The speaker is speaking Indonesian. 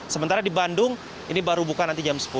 sementara di bandung ini baru buka nanti jam sepuluh